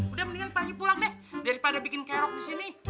udah mendingan pagi pulang deh daripada bikin kerok di sini